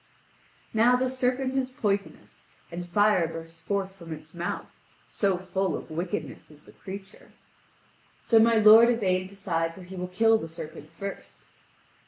Now the serpent is poisonous, and fire bursts forth from its mouth so full of wickedness is the creature. So my lord Yvain decides that he will kill the serpent first.